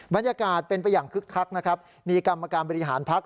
บรรยากาศเป็นไปอย่างคึกคักนะครับมีกรรมการบริหารพัก